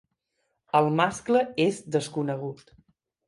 El mascle és desconegut.